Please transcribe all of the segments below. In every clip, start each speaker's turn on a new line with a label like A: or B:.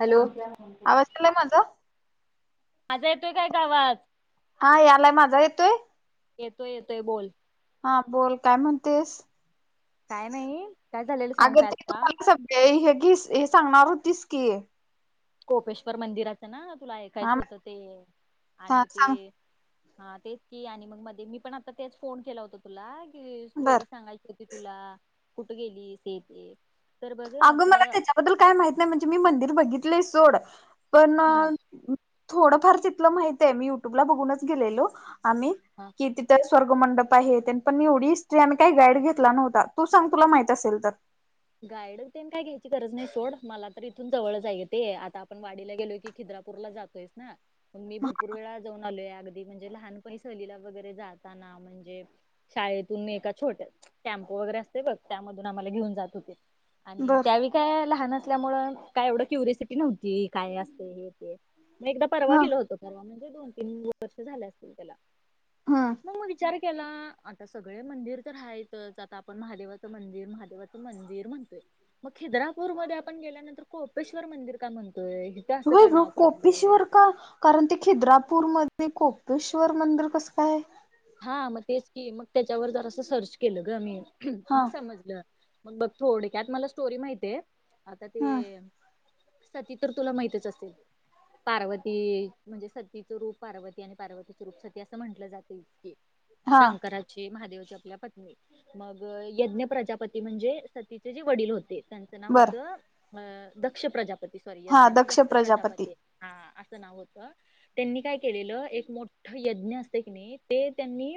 A: Hello!
B: आवाज आलाय माझा?
A: माझा येतोय काय गं आवाज?
B: हा यालाय माझा येतोय?
A: येतोय येतोय बोल.
B: हा बोल काय म्हणतेस?
A: काय नाही काय झालेलं सांगु
B: अगं
A: का आत्ता.
B: तुम्हाला ते सगळे हे घीस हे सांगणार होतीस की.
A: कोपेश्वर मंदिराचं ना तुला
B: हा
A: ऐकायचं होतं ते
B: हा
A: आणि
B: सांग
A: ते. हा तेच की आणि मग मध्ये मी पण आता तेच फोन केला होता तुला कि
B: बर
A: स्टोरी सांगाय त ती तुला कुठे गेली ते ते तर बघ
B: अगं मला
A: तुला
B: त्याच्याबद्दल काय माहित नाही, म्हणजे मी मंदिर बघितलंय सोड पण
A: हा
B: थोडंफार तिथलं माहीत हे, मी युट्युब ला बघूनच गेलेलो आम्ही
A: हा!
B: कि तिथं स्वर्ग मंडप आहे, तेन पण मी एवढी हिस्टरी आम्ही काही गाईड घेतला नव्हता, तू सांग तुला माहित असेल तर
A: गाईड तेन काय घ्यायची गरज नाही सोड मला तर इथून जवळ च हाय ग ते, आता आपण वाडीला गेलो की. खिद्रापूर ला जातोयच ना.
B: [inaudible]
A: मी भरपूर वेळा जाऊन आलोय, अगदी म्हणजे लहानपणी सहलीला वगैरे जाताना. म्हणजे शाळेतून एका छोट्या टॅम्पो वगैरे असतय बग त्यामधून आम्हाला घेऊन जात? आणि
B: बर
A: त्यावेळी. काय लहान असल्यामुळं, काय एवढं क्युरिसिटी नव्हती काय असते हे ते! मग एकदा परवा
B: हा
A: गेलो होतो परवा म्हणजे दोन तीन वर्ष झाल्या असतील त्याला,
B: हम्म
A: मग, मग विचार केला, आता सगळे मंदिर तर हायतचं आता आपण महादेवाचं मंदिर महादेवा च मंदिर म्हणतोय, मग खिद्रापूर मध्ये आपण गेल्यानंतर कोळपेश्वर मंदिर का म्हणतोय? असं
B: होय
A: का
B: गं,
A: नाव पडलंय
B: कोपेश्वर का कारण ते खिद्रापूरमध्ये कोपेश्वर मंदिर कसं काय?
A: हा म तेच की, मग त्याच्यावर जरासं सर्च केलं ग मी,
B: हा
A: मग समजलं. मग बघ थोडक्यात मला स्टोरी माहितीेय आता ते
B: हम्म
A: सती तर तुला माहितच असेल. पार्वती म्हणजे सतीचं रूप पार्वती आणि पार्वतीच रूप सती असं म्हटलं जात
B: हा
A: शंकराची महादेवची आपल्या पत्नी. मग अ यज्ञ प्रजापती म्हणजे सतीचे जे वडील होते त्यान च नाव
B: बर
A: होतं, अ दक्ष प्रजापती सॉरी यज्ञ नाही दक्ष प्रजापती. हा असं नाव होतं, त्यांनी काय केलेलं एक मोठ यज्ञ असतंय की नाही ते त्यांनी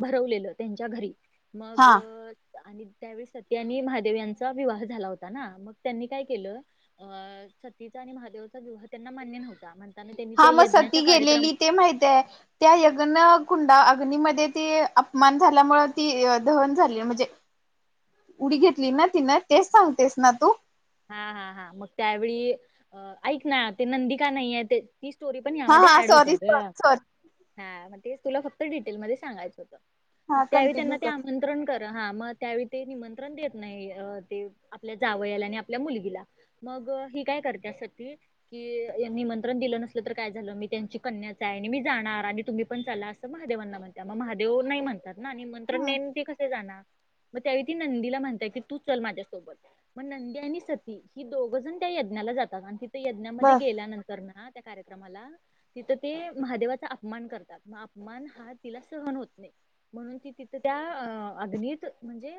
A: भरवलेलं त्यांच्या घरी मग
B: हा
A: अ आणि त्यावेळी सती आणि महादेव यांचा विवाह झाला होता ना, मग त्यांनी काय केलं अ सतीचा आणि महादेवचा विवाह त्यांना मान्य नव्हता, म्हण
B: हा मग सती गेलेली ते माहितेय. त्या यग्न कुंडा अग्नीमध्ये ती अपमान झाल्यामुळे ती अ दहन झाली म्हणजे उडी घेतली ना तिनं, तेच सांगतेस ना तू?
A: हा हा हा, मग त्यावेळी अ ऐक ना ते नंदी का नाहीए ते ती स्टोरी पण हया
B: हा
A: मध्ये
B: हा
A: ऍड होत्या
B: सॉरी
A: ग,
B: सॉरी सॉरी
A: हा मग तेच तुला फक्त डिटेलमध्ये सांगायचं होतं.
B: हा
A: मग त्यावेळी त्यांना
B: कंटिन्यू
A: ते
B: कर
A: आमंत्रण तर हा मग त्यावेळी ते निमंत्रण देत नाही अ ते आपल्या जावयाला आणि आपल्या मुलगीला. मग अ ही काय करत्या सती कि य निमंत्रण दिलं नसलं तर काय झालं, मी त्यांची कन्याच आहे आणि मी जाणार आणि तुम्ही पण चला असं महादेवांना म्हणत्या, मग महादेव नाही म्हणतात ना निमंत्रण
B: ह
A: नाय आन मी कसं जाणार. मग त्यावेळी ती नंदीला म्हणत्या की तू चल माझ्यासोबत मग नंदी आणि सती ही दोघं जण त्या यज्ञाला जातात आणि ति ते यज्ञामध्ये
B: बर
A: गेल्यानंतर ना त्या कार्यक्रमाला तिथं ते महादेवाचा अपमान करतात, म अपमान हा तिला सहन होत नाही. म्हणून ती तिथं त्या अ अग्नीत म्हणजे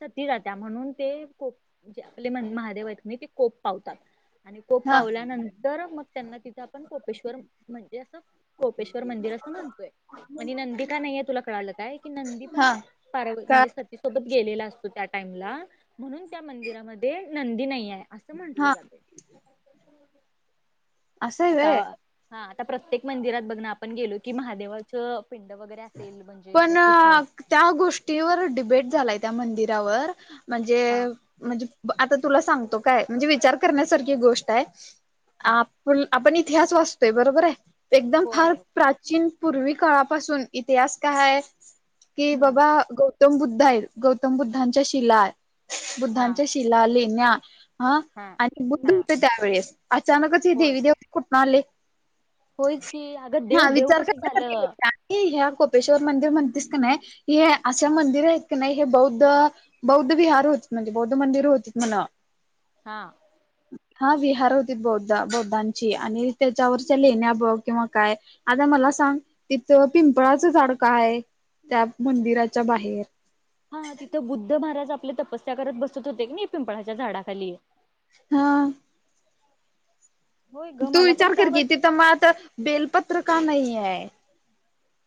A: सती जात्या म्हणून ते कोप म्हणजे आपले महादेव आहेत की नाय ते कोप पावतात आणि कोप
B: हा
A: पावल्यानंतर मग त्यांना तिथं आपण कोपेश्वर म्हणजे असं कोपेश्वर मंदिर असं म्हणतोय आणि नंदी का नाहीये तुला कळालं काय? की नंदी पण
B: हा
A: पार्व्
B: काय
A: म्हणजे सत् ती सोबत गेलेला असतो त्या टाइमला, म्हणून त्या मंदिरामध्ये नंदी नाहीए. असं म्हटलं
B: हा
A: जातं,
B: असं आहे
A: आता
B: व्हय
A: हा आता प्रत्येक मंदिरात बघ‌ ना आपण गेलो की महादेवाचं पिंड वगैरे असेल म्हणजे
B: पण
A: जर तिथं
B: त्या गोष्टीवर डिबेट झालाय त्या मंदिरावर, म्हणजे
A: हा
B: म्हणजे आता तुला सांगतो काय, म्हणजे विचार करण्यासारखी गोष्ट आहे,
A: हा
B: आप पल आपण इतिहास वाचतोय बरोबर आहे? एकदम
A: होय
B: फार
A: होय
B: प्राचीन पूर्वी काळापासून इतिहास काय हाय? की
A: हम्म
B: बाबा गौ तम बुद्ध हाय, गौतम बुद्धांच्या शिला
A: हा
B: बुद्धांच्या शिला, लेण्या हा, आणि बुद्ध
A: हा
B: होते त्यावेेळेस, अचानकच हे
A: होय
B: देवी देवता कुठनं आले?
A: होयच की, अगं देव देव कसं झालं?
B: कि ह्या कोपेश्वर मंदिर म्हणतीस का नाय, हे असं मंदिर हाय की नाही हे बौद्ध बौद्ध विहार होती म्हणजे बौद्ध मंदिर होती म्हणा.
A: हा.
B: ह. हा विहार होती बौद्ध बौद्धांची आणि त्याच्यावरच्या लेहिण्या बघ किंवा काय. आता मला सांग. तेव्हा पिंपळाचं सडखं आहे त्या मंदिराच्या बाहेर.
A: हा तिथं बुद्ध महाराज आपल्या तपस्या करत बसत होते की नाही पिंपळाच्या झाडाखाली.
B: हा.
A: होय ग
B: तू
A: मला पण
B: विचार कर की ति
A: त्याबाबत
B: तर मग आता बेलपत्र का नाही आहे.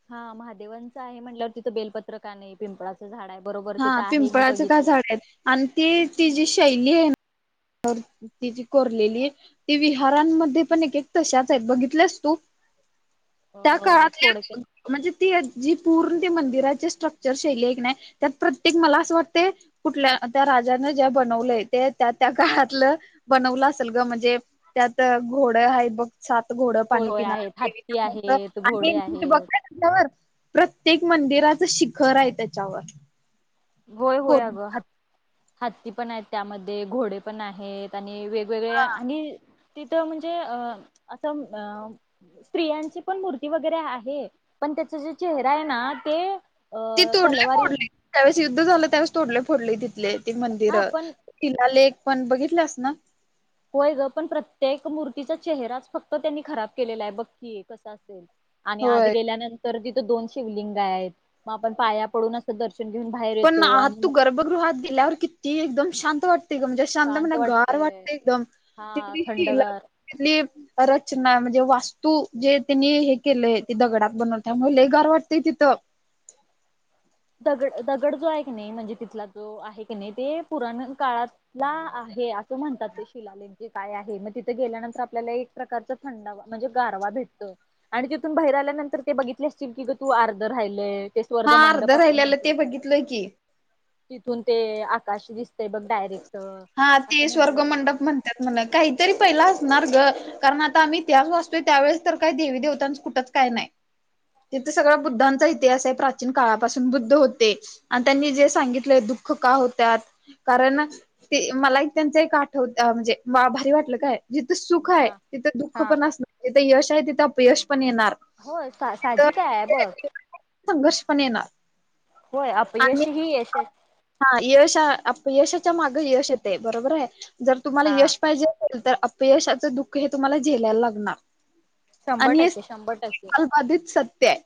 A: हा महादेवांचं आहे म्हटल्यावर तिथं बेलपत्र का नाही. पिंपळाचं झाड आहे बरोबर
B: हा
A: तिथं आहे मी
B: पिंपळाचं का
A: बघितलं.
B: झाड आहेत आणि ती ति जी शैली आहे ना. ती जी कोरलेली आहे ती विहारांमध्ये पण एक एक तशाच आहे बघितल्यास तू.
A: अ
B: त्या
A: थोडक्या
B: काळातल्या. म्हणजे ती जी पूर्ण त मंदिराची स्ट्रक्चर शैली एक नाही त्यात प्रत्येक मला असं वाटते. कुठल्या त्या राजाने ज्या बनवलंय ते त्या त्या काळातलं बनवलं असेल ग म्हणजे. त्यात घोड आहे बघ. सात घोडं
A: होय
B: पाणी
A: होय आहेत हत्ती
B: पिणार
A: आहेत घोडे
B: आणिी बघ.
A: आहेत
B: वर प्रत्येक मंदिराचं शिखर आहे त्याच्यावर.
A: होय होय
B: कोर
A: अगं ह हत्ती पण आहेत त्यामध्ये घोडे पण आहेत. आणि वेगवेगळे आणि तिथं म्हणजे अ असं अं. स्त्रियांची पण मूर्ती वगैरे आहे पण त्याचा जे चेहरा आहे ना ते.
B: ती
A: अ
B: तोडले
A: तलवारी
B: फोडली त्या्यावेळेस युद्ध झालं त्यावेळेस तोडले फोडली तिथले ती मंदिर.
A: हा पण
B: शिला लेख पण बघितल्यास ना.
A: होय ग पण प्रत्येक मूर्तीचा चेहराच फक्त त्यांनी खराब केलेला आहे बक्की. आणि आध
B: होय
A: गेल्यानंतर तिथ दोन शिवलिंग आहेत मग आपण पाया पडून. दर्शन घेऊन बाहेर येतो आणि.
B: गृहात गेल्यावर किती एकदम शांत वाटते. त म्हणजे शांत म्ह गार वाटत एकदम
A: हा
B: तिथली शिला
A: थंडगार
B: तिथली. रचना म्हणजे वास्तू जे त्यांनी हे केलंय ते दगडात बनवतामुळे लेगार वाटते तिथं.
A: दगड दगड जो आहे की नाही म्हणजे तिथला जो आहे की नाही ते पुराण काळात. ला आहे असं म्हणतात ते शिलाला. े काय आहे मग तिथे गेल्यानंतर आपल्याला एक प्रकारच थंड म्हणजे गारवा भेटत. आणि तिथून बाहेर आल्यानंतर ते बघितले असतील की ग तू आर्धर राहिलय. ते स्वर्ग
B: हा अर्ध
A: मंडप असं
B: राहिल्याल
A: म्हटलं
B: ते बघितलय
A: जातं
B: की.
A: तिथून ते आकाश दिसतय बघ डायरेक्ट असं म्हंटलं जातं ते.
B: त्यात म्हन काहीतरी पहिला असणार ग. कारण आता आम्ही त्याच वाचतोय त्यावेेळेस तर काही देवी देवतांच कुठंच काय नाही. तिथ सगळ बुद्धांचा इतिहास आहे प्राचीन काळापासून बुद्ध होते. आणि त्यांनी जे सांगितलंय दुःख का होत्यात.. कारण ते मला एक त्यांच एक आठवत म्हणजे भारी वाटलं काय. जिथं सुख आहे
A: हा
B: तिथं दुःख
A: हा
B: पण असणार जिथे यश आहे तिथं अपयश पण येणार.
A: होय साजिक काय आहे बघ.
B: संघर्ष पण येणार
A: होय
B: आणि
A: अपयश ही यश..
B: हा यश अपयशाच्या मागे यश येते बरोबर आहे जर तुम्हाला
A: हा
B: यश पाहिजे.. तर अपयशाचं दुःख हे तुम्हाला झेलायला लागणार.
A: शंभर
B: आणि हे
A: टक्के शंभर टक्के
B: सलबाधित सत्य हाय.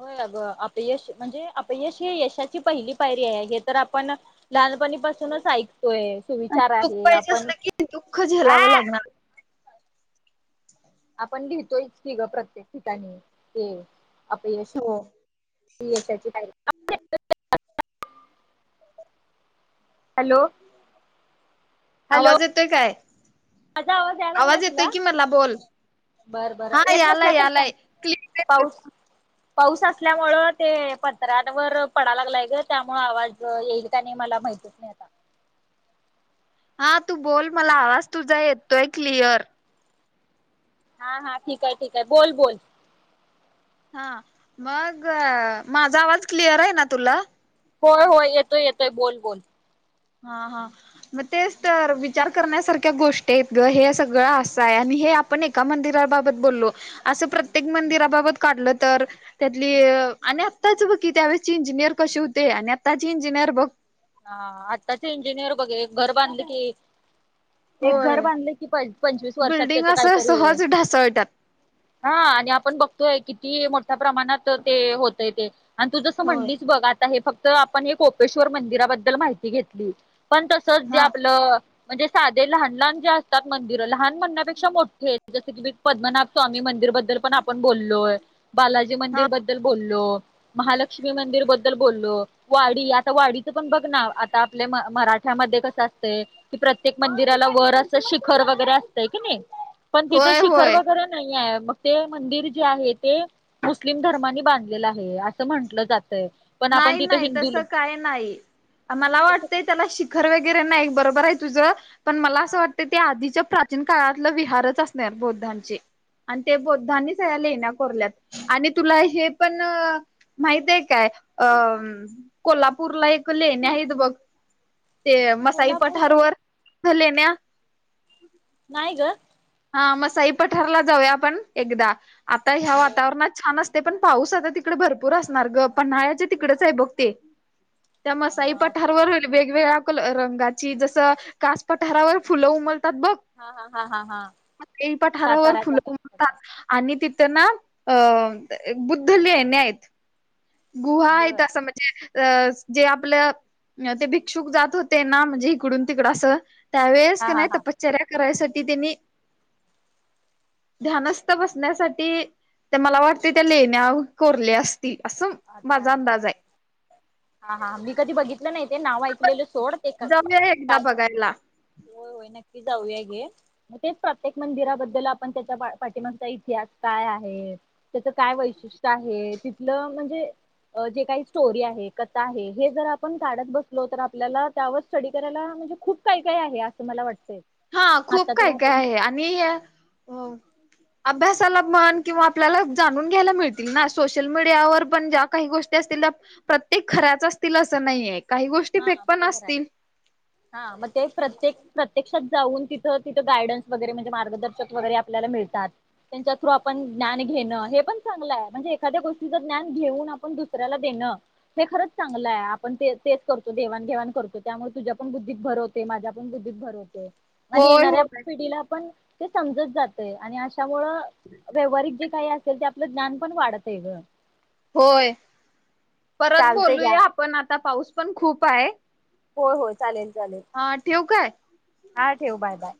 A: होय अगं अपयश म्हणजे अपयश हे यशाची पहिली पायरी आहे हे तर आपण लहानपणी पासूनच ऐकतोय
B: आणि
A: सुविचार
B: दुःख
A: आहे
B: पाहिजे
A: आपण
B: असलं की दुःख
A: आ
B: झेलावं लागणार.
A: आपण लिहितोयच कि ग प्रत्येक ठिकाणी ते अपयश.
B: हो.
A: ती यशाची पायरी.
B: [unintelligible]
A: हॅलो. हॅलो
B: आवाज येतोय काय?
A: माझा यायला लागला
B: आवाज येतोय
A: तुला
B: कि मला बोल
A: बरं
B: हा
A: बरं येत नसला
B: यालाय
A: तर
B: यालाय
A: सांग
B: की.
A: पाऊस. पाऊस असल्यामूळं ते पत्रांवर पडा लागलाय ग त्यामुळे आवाज येईल का नाही मला माहिती. तस नाही आता.
B: हा तू बोल मला आवाज तुझा येतोय क्लिअर.
A: हा हा ठीक आहे ठीक आहे बोल बोल.
B: हा मग माझा आवाज क्लिअर आहे ना तुला.
A: होय होय येतोय येतोय बोल बोल.
B: हा हा. मग तेच तर विचार करण्यासारख्या गोष्टी आहेत गं हे सगळं असं आहे आणि हे आपण. पण एका मंदिराबाबत बोललो असं प्रत्येक मंदिराबाबत काढलं तर? त्यातली आणि आत्ताच बघ की त्यावेळेची इंजिनियर कशी होते, आणि आत्ताची इंजिनियर बघ.
A: हा आत्ताच इंजिनियर बघ एक घर बांधले की एक घर
B: होय.
A: बांधले कि प पंचवीस वर्षात
B: बिल्डिंग
A: त्याच
B: असं
A: काहीतरी हे.
B: सहज ढासळतात.
A: हा आणि आपण बघतोय किती मोठ्या प्रमाणात ते होतय ते. आणि तू जसं
B: होय.
A: म्हणलीस बघ आता हे फक्त आपण हे कोपेश्वर मंदिराबद्दल माहिती घेतली पण तस तच जे
B: हा
A: आपलं म्हणजे साधे लहान लहान जे असतात मंदिरं लहान म्हणण्यापेक्षा मोठे. जस कि बी पद्मनाभ स्वामी मंदिर बद्दल पण आपण बोललोय.. बालाजी
B: हा
A: मंदिर बद्दल बोललो, महालक्ष्मी मंदिर बद्दल बोललो, वाडी आता वाडी.. तू पण बघ ना आता आपल्या म मराठ्यामध्ये कसं असतय.. कि प्रत्येक मंदिराला वर असं शिखर वगैरे असतय की नाय पण तिथं
B: होय
A: शिखर
B: होय
A: वगैरे न नाही आहे मग ते मंदिर जे आहे ते. मुस्लिम धर्मानी बांधलेलं आहे असं म्हंटलं जातय, पण आपण
B: नाही
A: तिथं
B: नाही
A: हिंदू
B: तसं
A: लोक
B: काय नाही मला वाटत त्याला शिखर वगैरे नाही बरोबर आहे तुझ पण मला असं
A: हा
B: वाटत. तर ते आधीच्या प्राचीन काळातलं विहारच असणार बौद्धांचे. आणि ते बुद्धांनी सगळ्या लेण्या कोरल्यात. आणि तुला हे पण माहित आहे काय? अ कोल्हापूरला एक लेण्या आहेत बघ. ते मसाई
A: कोल्हापूरमध्ये
B: पठारवर लेण्या.
A: नाही ग.
B: हा मसाई पठारला जाऊया आपण एकदा आता ह्या
A: बर
B: वातावरणात. छान असते पण पाऊस आता तिकडे भरपूर असणार ग पन्हाळ्याच्या तिकडेच आहे बघ ते. त्या मसाई
A: हा
B: पठारावर होईल. वेगवेगळ्या कलर रंगाची जस कास पठारावर फुलं उमलतात बघ.
A: हा हा हा हा हा.
B: म ते पट हारावर
A: साताराचा
B: फुलं
A: कासपठार
B: उरंतात आणि तिथं ना अ बुद्ध लेण्या आहेत. गुहा आहेेत
A: बर
B: असं म्ह अ जे आपलं ते भिक्षुक जात होते ना म्हणजे हिकडून तिकडं असं त्यावेळेस
A: हा
B: का
A: हा
B: नाही
A: हा
B: तपश्चर्या करायसाठी त्यांनी ध्यानस्थ बसण्यासाठी तर मला वाटते त्या लेण्या कोरल्या असतील असं
A: अच्छा
B: माझा
A: अच्छा
B: अंदाज आहे.
A: अच्छा हा हा मी कधी बघितलं नाही ते नाव
B: आपण
A: ऐकलेलं सोड ते
B: जाऊया ना एकदा
A: कास
B: बघायला
A: होय होय नक्की जाऊ या घे. मग तेच प्रत्येक मंदिराबद्दल आपण त्याच्या पाठिमागचा इतिहास काय आहे? त्याच काय वैशिष्ट्य आहे? तिथलं म्हणजे जे काही स्टोरी आहे कथा आहे हे जर आपण काढत बसलो तर आपल्याला त्यावर स्टडी करायला म्हणजे खूप काय काय आहे असं मला वाटतंय.
B: हा खूप
A: आता तर
B: काय
A: आपण
B: काय आहे? आणि अ अभ्यासाला म्हनं किंवा आपल्याला जाणून घ्यायला मिळतील ना सोशल मीडियावर पण ज्या काही गोष्टी असतील त्या प्रत्येक खऱ्याच असतील असं नाहीये. काही गोष्टी
A: हा
B: फेक पण
A: बरोबर हाय
B: असतील.
A: हा मग ते प्रत्येक प्रत्यक्षात जाऊन तिथं तिथं गायडन्स वगैरे म्हणजे मार्गदर्शक वगैरे आपल्याला मिळतात. त्यांच्या थ्रू आपण ज्ञान घेणं हे पण चांगलं हाय म्हणजे एखाद्या गोष्टीचं ज्ञान घेऊन आपण दुसऱ्याला देणं ते खरंच चांगलं हाय आपण ते ते करतो देवाण-घेवाण करतो त्यामुळे तुझ्या पण बुद्धीत भर होतोय माझ्या पण बुद्धीत भर होतोय. आणि
B: होय
A: येणाऱ्या
B: होय
A: पिढीला पण ते समजत जातय आणि अश त्यामुळं व्यवहारिक जे काही असेल ते आपलं ज्ञान पण वाढतय गं
B: होय परत
A: घ्या
B: बोलूया आपण आता पाऊस पण खूप हाय
A: होय होय चालेल चालेल
B: हा ठेवू काय?
A: हा ठेव बाय बाय